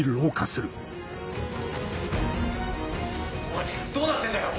おいどうなってんだよ！